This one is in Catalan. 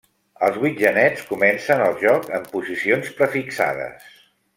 Els vuit genets comencen el joc en posicions prefixades.